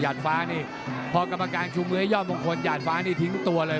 ฟ้านี่พอกรรมการชูมือให้ยอดมงคลหยาดฟ้านี่ทิ้งตัวเลย